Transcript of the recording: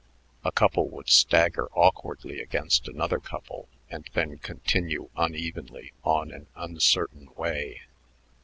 A couple would stagger awkwardly against another couple and then continue unevenly on an uncertain way.